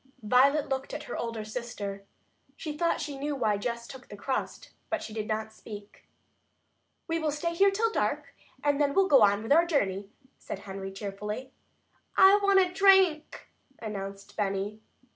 Violet looked at her older sister. She thought she knew why Jess took the crust, but she did not speak. "We will stay here till dark, and then we'll go on with our journey," said Henry cheerfully. "I want a drink," announced Benny.